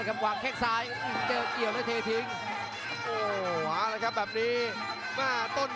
จังหวาดึงซ้ายตายังดีอยู่ครับเพชรมงคล